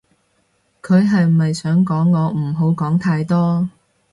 佢係咪想講我唔好講太多